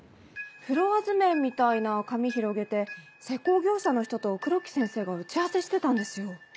フロア図面みたいな紙広げて施工業者の人と黒木先生が打ち合わせしてたんですよ。